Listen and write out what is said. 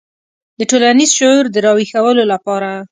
د ټولنیز شعور د راویښولو لپاره.